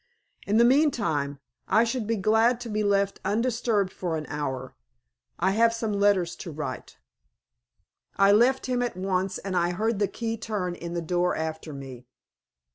In the meantime, I should be glad to be left undisturbed for an hour. I have some letters to write." I left him at once, and I heard the key turn in the door after me.